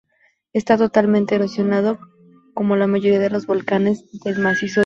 Esta totalmente erosionado, como la mayoría de los volcanes del macizo de Ronda.